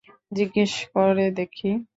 জিজ্ঞেস করে দেখি।